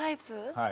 はい。